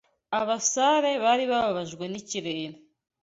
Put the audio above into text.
Abasare bari bababajwe nikirere